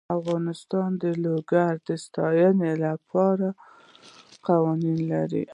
افغانستان د لوگر د ساتنې لپاره قوانین لري.